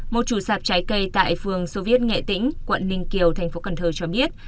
một chủ sạp trái cây tại phường soviet nghệ tĩnh quận ninh kiều thành phố cần thơ cho biết